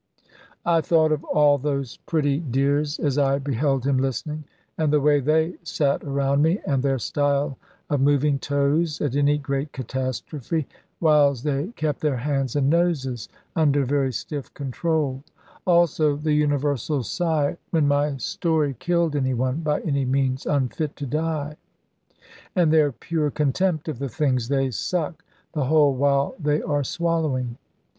I thought of all those pretty dears (as I beheld him listening), and the way they sat around me, and their style of moving toes at any great catastrophe; whiles they kept their hands and noses under very stiff control; also the universal sigh, when my story killed any one by any means unfit to die; and their pure contempt of the things they suck, the whole while they are swallowing.